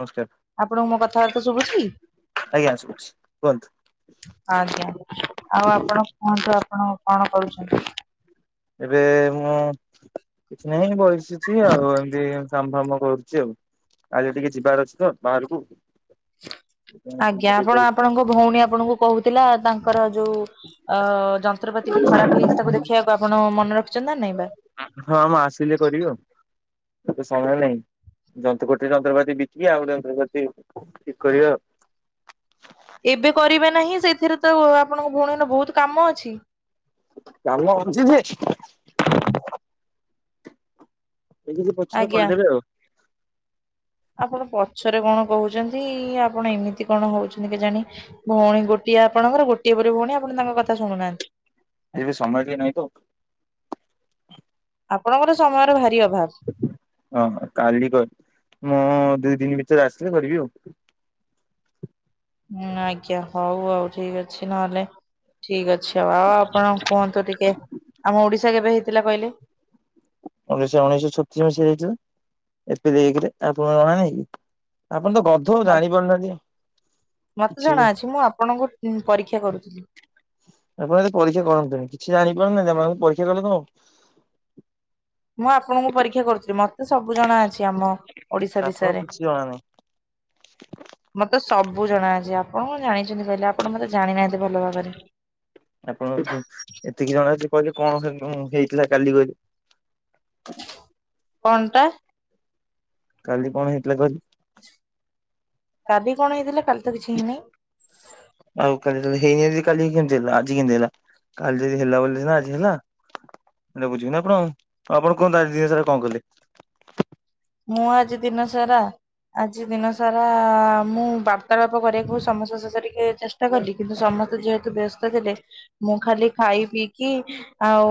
ନମସ୍କାର। ଆପଣଙ୍କୁ ମୋ କଥାବାର୍ତ୍ତା ସଭୁଛି? ଆଜ୍ଞା ଶୁଭୁଛି କୁହନ୍ତୁ ଆଜ୍ଞା ଆଉ ଆପଣ କୁହନ୍ତୁ ଆପଣ କଣ କରୁଛନ୍ତି? ଏବେ ମୁଁ କିଛି ନାହିଁ ବସିଛି ଆଉ ଏମିତି କାମ ଫାମ କରୁଛି ଆଉ। ଆଜି ଟିକେ ଯିବାର ଅଛି ତ ବାହାରକୁ। ଆଜ୍ଞା ଆପଣ ଆପଣଙ୍କ ଭଉଣୀ ଆପଣଙ୍କୁ କହୁଥିଲା ତାଙ୍କର ଯୋଉ ଅ ଯନ୍ତ୍ରପାତି ଟି ଖରାପ ହେଇଯାଇଛି ତାକୁ ଦେଖେଇବାକୁ ଆପଣ ମନେ ରଖିଛନ୍ତି ନା ନାଇଁ ବା। ହଁ ମୁଁ ଆସିଲେ କରିବି ଆଉ ତତେ ସମୟ ନାହିଁ। ଯନ୍ତ୍ରକୋଟରେ ଯନ୍ତ୍ରପାତି ବିକିବି ଆଉ ଯନ୍ତ୍ରପାତି ଠିକ କରିବା ଆଉ। ଏବେ କରିବା ନାହିଁ ସେଥିରେ ତ ଆପଣଙ୍କ ଭଉଣୀର ବହୁତ କାମ ଅଛି। କାମ ଅଛି ଯେ ଏବେ ସିଏ ପଛେ ଆଜ୍ଞା କରିଦେବେ ଆଉ। ଆପଣ ପଛରେ କଣ କହୁଛନ୍ତି ଆପଣ ଏମିତି କଣ ହଉଛନ୍ତି କେଜାଣି? ଭଉଣୀ ଗୋଟିଏ ଆପଣଙ୍କର ଗୋଟିଏ ପରି ଭଉଣୀ ଆପଣ ତାଙ୍କ କଥା ଶୁଣୁ ନାହାନ୍ତି। ଏବେ ସମୟ ଟିକେ ନାଇଁ ତ। ଆପଣଙ୍କର ସମୟର ଭାରି ଅଭାବ। ହଁ ହ କାଲି ମୁଁ ଦୁଇ ଦିନ ଭିତରେ ଆସିଲି କରିବି ଆଉ। ହୁଁ ଆଜ୍ଞା ହଉ ଆଉ ଠିକ ଅଛି ନହେଲେ ଠିକ ଅ ଆଚ୍ଛା ଆଉ ଆପଣ କୁହନ୍ତୁ ଟିକେ ଆମ ଓଡିଶା କେବେ ହେଇଥିଲା କହିଲେ? ଉନେଈଶ ଉଣେଇଶ ଛତିଶ ମସିହାରେ ହେଇଥିଲା। ଏପ୍ରିଲ ଏକରେ ଆପଣଙ୍କୁ ଜଣା ନାହିଁ କି ଆପଣ ତ ଗ ମତେ କିଛି ବି। ଜଣା ଅଛି ମୁଁ ଆପଣଙ୍କୁ ଉ ପରୀକ୍ଷା କରୁଥିଲି। ଆପଣ ଏତେ ପରୀକ୍ଷା କରନ୍ତୁନି କିଛି ଜାଣିପାରୁନାହାନ୍ତି ଆପଣ ଖାଲି ପରୀକ୍ଷା କଲେ କଣ ହବ? ମୁଁ ଆପଣଙ୍କୁ ପରୀକ୍ଷା କରୁଥିଲି ମତେ ସବୁ ଜଣା ଅଛି ଆମ ଓଡିଶା ବିଷୟରେ। ଆପଣଙ୍କୁ କିଛି ଜଣା ନାହିଁ। ମତେ ସବୁ ଜଣା ଅଛି ଆପଣ କଣ ଜାଣିଛନ୍ତି କହିଲେ ଆପଣ ମତେ ଜାଣିନାହାନ୍ତି ଭଲ ଭାବରେ। ଆପଣ ଏତିକି ଜଣା ଅଛି କହିଲେ କଣ ହେଇ ଉ ଥିଲା କାଲି କହିଲେ? କଣ ଟା? କାଲି କଣ ହେଇଥିଲା କହିଲେ? କାଦି କଣ ହେଇଥିଲା କାଲି ତ କିଛି ହେଇନାହିଁ। ଆଉ କାଲି ଯଦି ହେଇନି ଆଜି କେଇନ୍ତି ହେଲା? କାଲି ଯଦି ହେଲା ବୋଲି ନା ଆଜି ହେଲା। ସେଇଟା ବୁଝିବନି ଆପଣ ଆଉ ଆପଣ କଣ [unintelligible] କଣ କିଲଲେ ମୁଁ ଆଜି ଦିନସାରା ଆଜି ଦିନ ସାରା ମୁଁ ବାର୍ତ୍ତାଳାପ କରିବାକୁ ସମସ୍ତଙ୍କ ଶେଷ ସହ ଚେଷ ଟା କଲି କିନ୍ତୁ ସମସ୍ତେ ଯେହେତୁ ବ୍ୟସ୍ତ ଥିଲେ ମୁଁ ଖାଲି ଖାଇ ପିଇକି ଆଉ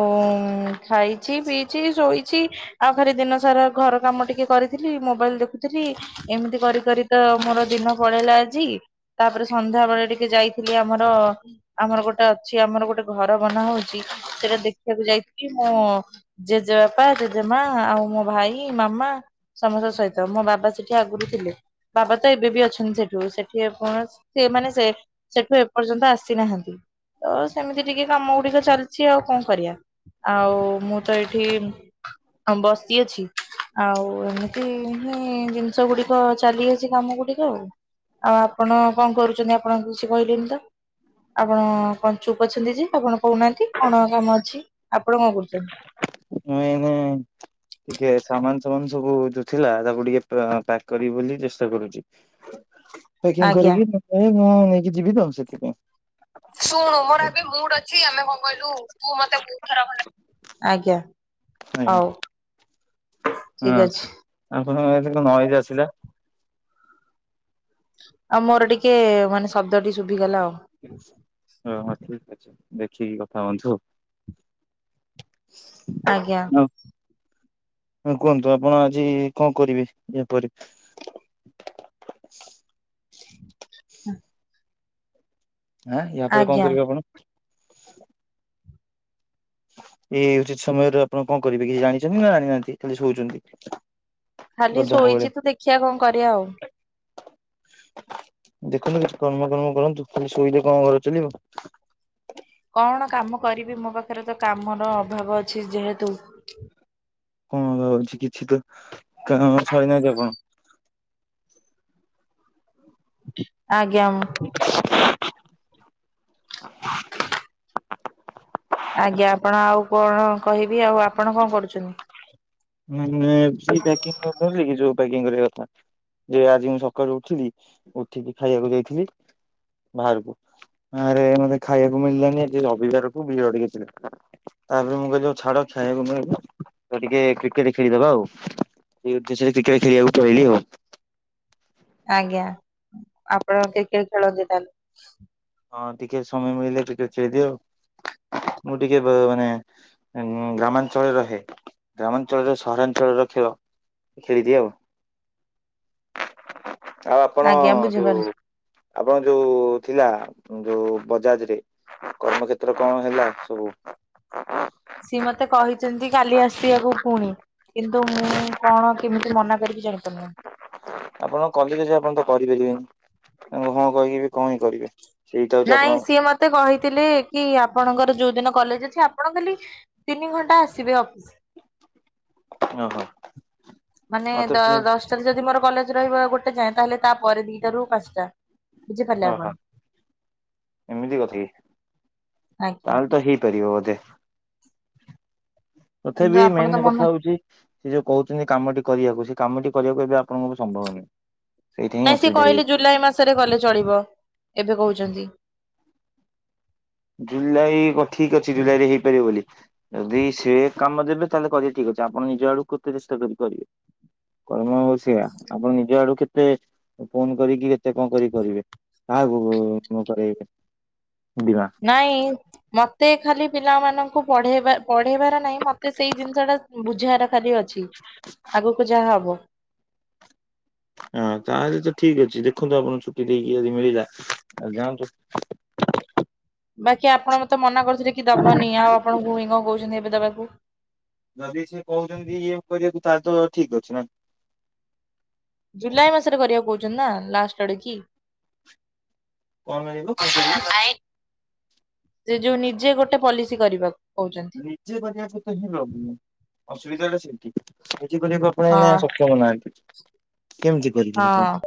ଖାଇଛି ପିଇଛି ଶୋଇଛି ଆଉ ଖାଲି ଦିନ ସାରା ଘର କାମ ଟିକେ ଟିକେ କରିଥିଲି ମୋବାଇଲ ଦେଖୁଥିଲି ଏମିତି କରି କରି ତ ମୋର ଦିନ ପଳେଇଲା ଆଜି। ତାପରେ ସନ୍ଧ୍ୟା ବେଳେ ଟିକେ ଯାଇଥିଲି ଆମର ଆମର ଗୋଟେ ଅଛି ଆମର ଗୋଟେ ଘର ବନା ହଉଛି ସେଇଟା ଦେଖିବାକୁ ଯାଇକି ମୁଁ ଜେଜେବାପା ଜେଜେମା ଆଉ ମୋ ଭାଇ ମାମା। ସମସ୍ତଙ୍କ ସହିତ ମୋ ବାବା ସେଠି ଆଗରୁ ଥିଲେ। ବାବା ତ ଏବେ ବି ଅଛନ୍ତି ସେଠୁ ସେଠିକଣ ସେ ମାନେ ସେ ସେଠୁ ଏପର୍ଯ୍ୟନ୍ତ ଆସିନାହାନ୍ତି ତ ସେମିତି ଟିକେ କାମ ଗୁଡିକ ଚାଲିଛି ଆଉ କଣ କରିବା। ଆଉ ମୁଁ ତ ଏଇଠି ହଁ ବସି ଅଛି ଆଉ ଏମିତି ହଁ ଜିନିଷ ଗୁଡିକ ଚାଲି ଅଛି କାମ ଗୁଡିକ ଆଉ। ଆଉ ଆପଣ କଣ କରୁଛନ୍ତି ଆପଣ କିଛି କହିଲେନି ତ? ଆପଣ କଣ ଚୁପ ଅଛନ୍ତି ଯେ ଆପଣ କହୁନାହାନ୍ତି କଣ କାମ ଅଛି ଆପଣ କଣ କରୁଛନ୍ତି? ମୁଁ ଏଇନେ ଟିକେ ସାମାନ ସମାନ ସବୁ ଯଉ ଥିଲା ତାକୁ ଟିକେ ପା-ପ୍ୟାକ୍ କରିବି ବୋଲି ଚେଷ୍ଟା କରୁଛି। ପ୍ୟାକିଂ ଆଜ୍ଞା। କରିକି ମତେ ମୁଁ ନେଇକି ଯିବି ତ ସେଥିପାଇଁ। [unintelligible] ଆଜ୍ଞା। ହଉ ଆଜ୍ଞା ହଁ ଠିକ ଅଛି ଆପଣଙ୍କ ନଏଜ ଆସିଲା। ଆଉ ମୋର ଟିକେ ମାନେ ଶବ୍ଦ ଟିକେ ଶୁଭିିଗଲା ଆଉ। ଓହୋ ଠିକ ଅଛି ଦେଖିକି କଥା ହୁଅନ୍ତୁ। ଆଜ୍ଞା। ହ କୁହନ୍ତୁ ଆପଣ ଆଜି କଣ କରିବେ ଯେପରି ହଁ। ହଁ ୟା ପରେ କଣ କରିବେ ଆପଣ? ଏଇ ଉଚିତ ସମୟରେ ଆପଣ କଣ କରିବେ କିଛି ଜାଣିଛନ୍ତି ନା ଜାଣିନାହାନ୍ତି ଖାଲି ଶଉଛନ୍ତି? ଖାଲି ଶୋଇଛି ତୁ ଦେଖିବା କଣ କରିବା ଆଉ। ଦେଖନ୍ତୁ କିଛି କର୍ମ କର୍ମ କରନ୍ତୁ ଖାଲି ଶୋଇଲେ କଣ ଘର ଚଲିବ। କଣ କାମ କରିବି ମୋ ପାଖରେ ତ କାମର ଅଭାବ ଅଛି ଯେହେତୁ କଣ ହଉଛି କିଛି ତ କାମ ସରିନାହାଁନ୍ତି ଆପଣ। ଆଜ୍ଞା ମ [unintelligible] ଆଜ୍ଞା ଆପଣ ଆଉ କଣ କହିବି ଆଉ ଆପଣ କଣ କରୁଛନ୍ତି? ମାନେ ସେଇ ପ୍ୟାକିଙ୍ଗ [unintelligible] କରିବା କଥା। ଯେ ଆଜି ମୁଁ ସକାଳୁ ଉଠଥିଲି ଉଠିକି ଖାଇବାକୁ ଯାଇଥିଲି ବାହାରକୁ ଆରେ ମତେ ଖାଇବାକୁ ମିଳିଲାନି ଏ ରବିବାରକୁ [unintelligible] ତାପରେ ମୁଁ କହିଲି ହଉ ଛାଡ ଖାଇବାକୁ ମିଳୁନି ଟିକେ କ୍ରି କେଟ ଖେଳିଦବା ଆଉ ଏଇ ଉଦେଶ୍ୟରେ କ୍ରିକେଟ ଖେଳିବାକୁ ପଳେଇଲି ଆଉ। ଆଜ୍ଞା ଆପଣ କ୍ରିକେଟ ଖେଳନ୍ତି ତାହେଲେ? ହଁ ଟିକେ ସମୟ ମିଳିଲେ ଟିକେଟ ଖେଳିଦିଏ ଆଉ। ମୁଁ ଟିକେ ମାନେ ଉଁ ଗ୍ରାମାଞ୍ଚଳରେ ରହେ। ଗ୍ରାମାଞ୍ଚଳର ସହରାଞ୍ଚଳର ଖେଳ ଖେଳିଦିଏ ଆଉ। ଆଉ ଆପଣ ଆଜ୍ଞା ଯୋଉ ବୁଝିପାରୁଛି। ଆପଣ ଯୋଉ ଥିଲା। ଯୋଉ ବଜାଜରେ କର୍ମକ୍ଷେତ୍ର କଣ ହେଲା ସବୁ? ସିଏ ମତେ କହିଛନ୍ତି କାଲି ଆସିବାକୁ ପୁଣି କିନ୍ତୁ ମୁଁ କଣ କେମିତି ମନା କରିକି ଜାଣିପାରୁନି। ଆପଣ କଲେ ଯେ ଯିଏ ଆପଣ ତ କରିପାରିବେନି ତା ହଁ କହିକି କଣ ହିଁ କରିବେ। ସେଇଟା ହଉଛି ଆପଣ ନାଇଁ ସିଏ ମତେ ମତେ କହିଥିଲେ କି ଆପଣଙ୍କର ଯୋଉ ଦିନ କଲେଜ ଅଛି ଆପଣ ଖାଲି ତିନି ଘଣ୍ଟା ଆସିବେ ଅଫିସ। ଓହୋ। ମାନେ ମାତ୍ର ତିନି ଦ-ଦଶଟାରେ ଯଦି ମୋର କଲେଜ ରହିବ ଗୋଟେ ଯାଏଁ ତାହେଲେ ତାପରେ ଦିଟାରୁ ପାଞ୍ଚଟା ବୁଝିପାରିଲେ ଓହୋ ଆପଣ? ଏମିତି କଥା କି ଆଜ୍ଞା ତାହେଲେ ତ ହେଇପାରିବ ବୋଧେ। କିନ୍ତୁ ତଥାପି ଆପଣ ତ ମେନ୍ ମନ କଥା ହୋଉଛି। ସେ ଯୋଉ କହୁଛନ୍ତି କାମଟି କରିବାକୁ ସେ କାମଟି କରିବାକୁ ଏବେ ଆପଣଙ୍କଙ୍କୁ ସମ୍ଭବ ନାହିଁ। ନାଇଁ ସିଏ କହିଲେ ଜୁଲାଇ ମାସରେ ଗଲେ ଚଳିବ ଏବେ କହୁଛନ୍ତି। ଜୁଲାଇ ଠିକ୍ ଅଛି ଜୁଲାଇ ରେ ହେଇପାରିବ ବୋଲି। ଯଦି ସେ କାମ ଦେବେ ତାହେଲେ କରିବା ଠିକ୍ ଅଛି ଆପଣ ନିଜ ଆଡକୁ କେତେ ଚେଷ୍ଟା କରିବେ। କର୍ମ ହଉ ସେଆ ଆପଣ ନିଜ ଆଡୁ କେତ ଫୋନ୍ କରିକି କେତେ କଣ କରି କରିବେ କାହାକୁ ମୁଁ କରବି। ଦିବା। ନାଇଁ ମତେ ଖାଲି ପିଲାମାନଙ୍କୁ ପଢେଇବା ପଢେଇବାର ନାହିଁ ମତେ ସେଇ ଜିନିଷ ଟା ବୁଝହାର ଖାଲି ଅଛି ଆଗକୁ ଯାହା ହବ। ହଁ ତାହେଲେ ତ ଠିକ୍ ଅଛି ଦେଖନ୍ତୁ ଆପଣଙ୍କୁ ଛୁଟି ଦେଇକି ଯଦି ମିଳିଲା ଆଉ ଯାଆନ୍ତୁ। ବାକି ଆପଣ ମତେ ମନା କରୁଥିଲେ କି ଦବନି ଆଉ ଆପଣ ଭୁ କଣ କହୁଛନ୍ତି ଏବେ ଦବାକୁ। ଯଦି ସିଏ କହୁଛନ୍ତି ଇଏ କରିବାକୁ ତାହେଲେ ଠିକ୍ ଅଛି ନା। ଜୁଲାଇ ମାସରେ କରିବାକୁ କହୁଛନ୍ତି ନା ଲାଷ୍ଟ ଆଡେ କି? କଣ ମିଳିବ କଣ କରିବି? ସେ ଯୋଉ ନିଜେ ଗୋଟେ ପଲିସି କରିବାକୁ କହୁଛନ୍ତି। ନିଜେ କରିବାକୁ ତ ହିଁ ପ୍ରବଲେମ୍ ଅସୁବିଧା ସେଇଠି ନିଜେ କରିବା। ଆପଣ ହଁ ଏ ସକ୍ଷମ ନାହାନ୍ତି କେମିତି କରିକି ଆପଣ। ହଁ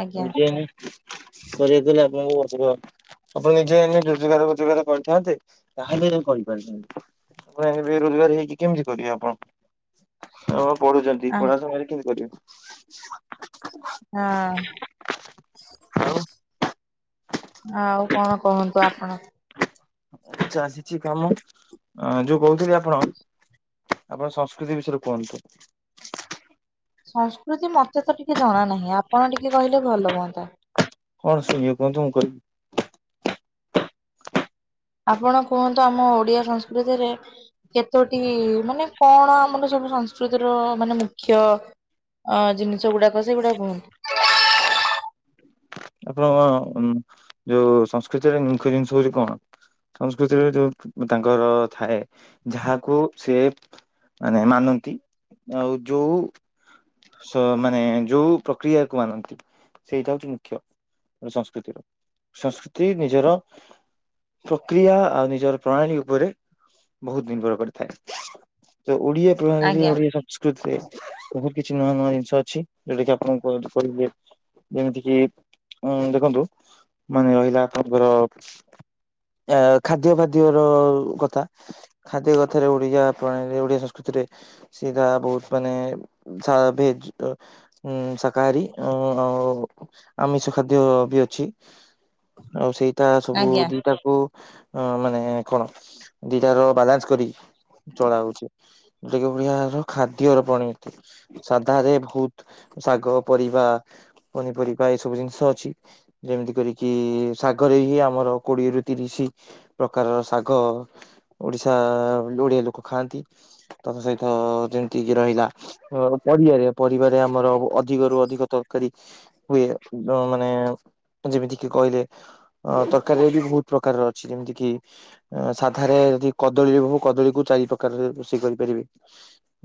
ଆଜ୍ଞା। ଯେ କରେଇଦେଲେ ଆପଣଙ୍କୁ ଆପଣ ନିଜ ଏ ରୋଜଗାର ଫୋଜଗାର କରିଥାନ୍ତେ ତାହେଲେ କରିପାରିନ୍ତି। ଆପ ବେରୋଜଗାର ହେଇକି କେମିତି କରିବେ ଆପଣ। ହଁ ପଢୁଛନ୍ତି ଆ ପଢା ସମୟରେ କେମିତି କରିବୁ। ହଁ। ଆଉ ଆଉ କଣ କୁହନ୍ତୁ ଆପଣ? ଆଛା ଆସିଛି କାମ ଯୋଉ କହୁଥିଲି ଆପଣ? ଆପଣ ସଂସ୍କୃତି ବିଷୟରେ କୁହନ୍ତୁ? ସଂସ୍କୃତି ମତେ ତ ଟିକେ ଜଣା ନାହିଁ ଆପଣ ଟିକେ କହିଲେ ଭଲ ହୁଅନ୍ତା। କଣ ଶୁଇବ [unintelligible] ମୁଁ କହିବି। ଆପଣ କୁହନ୍ତୁ ଆମ ଓଡିଆ ସଂସ୍କୃତିରେ କେତୋଟି ମାନେ କଣ ଆମର ସବୁ ସଂସ୍କୃତିର ମାନେ ମୁଖ୍ୟ। ଅଁ ଜିନିଷ ଗୁଡାକ ସେଇଗୁଡାକୁ ଆପଣଙ୍କ ଯୋଉ ସଂସ୍କୃତିରେ ମୁଖ୍ୟ ଜିନିଷ ହଉଛି କଣ? ସଂସ୍କୃତିରେ ଯୋଉ ତାଙ୍କର ଥାଏ ଯାହାକୁ ସିଏ ମାନେ ମାନନ୍ତି ଆଉ ଯୋଉ ମାନେ ଯୋଉ ପ୍ରକ୍ରିୟାକୁ ମାନନ୍ତି ସେଇଟା ହଉଛି ମୁଖ୍ୟ। ସଂସ୍କୃତିର ସଂସ୍କୃତି ନିଜର ପ୍ରକ୍ରିୟା ଆଉ ନିଜର ପ୍ରଣାଳୀ ଉପରେ ବହୁତ ଦିନ ପରେ ପଡ଼ିଥାଏ। ତ ଓଡ଼ିଆ ବିଭାଗରେ ଆଜ୍ଞା ଓଡ଼ିଆ ସଂସ୍କୃତିରେ ବହୁତ କିଛି ନୂଆ ନୂଆ ଜିନିଷ ଅଛି ଯୋଉଟା କିି ଆପଣଙ୍କୁ କହିବେ। ଯେମିତି କିି ଉଁ ଦେଖନ୍ତୁ ମାନେ ରହିଲା ଆପଣଙ୍କର ଆ ଖାଦ୍ୟ ଫାଦ୍ୟ ର କଥା। ଖାଦ୍ୟ କଥାରେ ଓଡ଼ିଆ ପ୍ରାଣୀରେ ଓଡ଼ିଆ ସଂସ୍କୃତିରେ ସିଧା ବହୁତ ମାନେ ଭେଜ ଅ ଉ ଶକାହାରୀ ଆଉ ଆମିଷ ଖାଦ୍ୟ ବି ଅଛି ଆଉ ସେଇଟା ସବୁ ଆଜ୍ଞା। ଦିଟାକୁ ଅ ମାନେ କଣ ଦିଟାର ବାଲାନ୍ସ କରି ଚଳା ହଉଛି। ଯଉଟା କି ଓଡ଼ିଆର ଖାଦ୍ୟର ପଣୀତି [unintelligible] ସାଧାରେ ବହୁତ ଶାଗ ପରିବା ପନିପରିବା ଏସବୁ ଜିନି ଷ ଅଛି ଯେମିତି କରିକି ଶାଗରେ ହି ଆମର କୋଡ଼ିଏ ରୁ ତିରିଶି ପ୍ରକାରର ଶାଗ ଓଡ଼ିଶା ଓଡ଼ିଆ ଲୋକ ଖାଆନ୍ତି। ତମ ସହିତ ଯେମିତି କିଏ ରହିଲା ପରିବାରେ ପରିବାରେ ଆମର ଅଧିକରୁୁ ଅଧିକ ତରକାରୀ ହୁଏ। ତ ମାନେ ଯେମିତି କିି କହିଲେ ଅ ତରକାରୀରେ ବି ବହୁତ ପ୍ରକାରର ଅଛି ଯେମିତି କିି ସାଧାରେ ଯଦି କଦଳୀରେ ବହୁ କଦଳୀକୁ ଚାରି ପ୍ରକାର ରୋଷେଇ କରିପାରିବେ।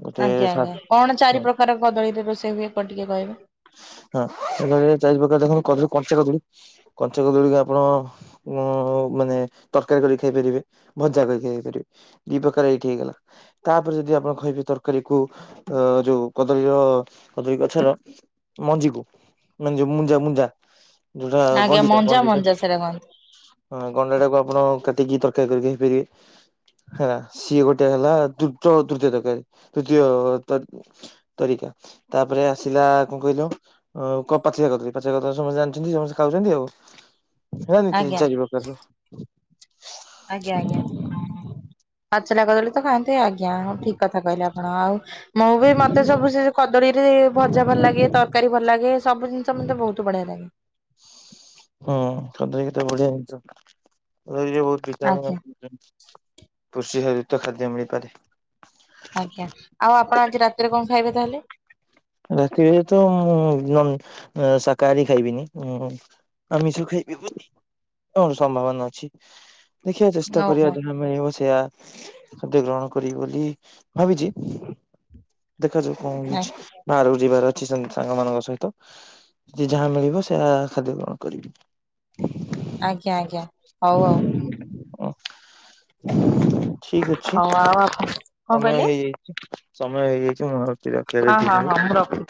ଗୋଟେ ଆଜ୍ଞା ଆଜ୍ଞା ସା କଣ ଚାରି ପ୍ରକାର କଦଳୀରେ ରୋଷେଇ ହୁଏ କଣ ଟିକେ କହିବେ? ହଁ ଚାରି ପ୍ରକାର ଦେଖନ୍ତୁକଦଳୀ କଞ୍ଚା କଦଳୀ କଞ୍ଚା କଦଳୀକୁ ଆପଣ ଉ ମାନେ ତରକାରୀ କରିକି ଖାଇପାରିବେ ଭଜା କରିକି ଖାଇପାରିବେ। ଦି ପ୍ରକାରର ଏଇଠି ହେଇଗଲା। ତାପରେ ଯଦି ଆପଣ କହିବେ ତରକାରୀ କୁ ଅ ଯୋଉ କଦଳୀର କଦଳୀ ଗଛର ମଞ୍ଜିକୁ ମାନେ ଯୋଉ ମୁଞ୍ଜା ମୁଞ୍ଜା ଯୋଉଟା ଆଜ୍ଞା ଗଣ୍ଡିଚା ମଞ୍ଜା ଗଣ୍ଡିଚା ମଞ୍ଜା ସେଟା କହନ୍ତି ହଁ ଗଣ୍ଡା ଟାକୁ ଆପଣ କାଟିକି ତରକାରୀ କରି ଖାଇପାରିବେ। ହଁ ସିଏ ଗୋଟେ ହେଲା ଦୃତ ତୃତୀୟ ଦରକାରୀ ତୃତୀୟ ତରିକା ତାପରେ ଆସିଲା କଣ କହିଲ କ ପାଚିଲା କଦଳୀ ପାଚିଲା କଦଳୀ ସମସ୍ତେ ଜାଣିଛନ୍ତି ଖାଉଛନ୍ତି ଆଉ ହେରିକି ଆଜ୍ଞା। ଚାରି ପ୍ରକାରର। ଆଜ୍ଞା ଆଜ୍ଞା। ପାଚିଲା କଦଳୀ ତ ଖାଆନ୍ତି ଆଜ୍ଞା ହଁ ଠିକ କଥା କହିଲେ ଆପଣ ଆଉ ମୁଁ ବି ମତେ ସବୁ ସେ କଦଳୀରେ ଭଜା ଭଲ ଲାଗେ ତରକାରୀ ଭଲ ଲାଗେ ସବୁ ଜିନିଷ ମତେ ବହୁତ ବଢ଼ିଆ ଲାଗେ। ହଁ କଦଳି କେତେ ବଢ଼ିଆ ଜିନିଷ ସେଥିରେ ବହୁତ ଭିଟାମିନ୍ ଆଜ୍ଞା ଅଛି। କୃଷିି ହେରିତ ଖାଦ୍ୟ ମିଳିପାରେ। ଆଜ୍ଞା ଆଉ ଆପଣ ଆଜି ରାତିରେ କଣ ଖାଇବେ ତାହେଲେ? ରାତିରେ ତ ନନ୍ ଶାକାହାରୀ ଖାଇବିନି। ଆମିଷ ଖାଇବି ବୋଲି ସମ୍ଭାବନା ଅଛି। ଦେଖିଆ ଚେଷ୍ଟା କରିବା ଓହୋ ଯାହା ଆମେ ସେୟା ଖାଦ୍ୟ ଗ୍ରହଣ କରିବି ବୋଲି ଭାବିଛି ଦେଖାଯାଉ କଣ ହେଉଛି। ବାହାରକୁ ଯିବାର ଅଛି ସା ସାଙ୍ଗମାନଙ୍କ ସହିତ ଯିଏ ଯାହା ମିଳିବ ସେୟା ଖାଦ୍ୟ ଗ୍ରହଣ କରିବି। ଆଜ୍ଞା ଆଜ୍ଞା ହଉ ହଉ। ଠିକ ଅଛି ହଉ ହଉ ଆଉ ଆପଣ କଣ ସମୟ କହିଲେ ହେଇଯାଇ ସମୟ ହେଇଯାଇଛି ମୁଁ ରଖିବାଟା ହଁ ଠିକ୍ ହଁ ହବ। ହଁ ମୁଁ ରଖୁଛି।